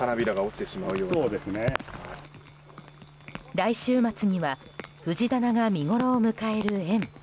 来週末には藤棚が見ごろを迎える園。